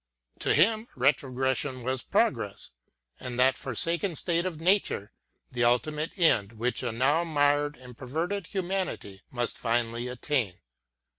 To him retrogression was progress, and that forsaken state of nature the ultimate end which a now marred and perverted humanity must finally attain.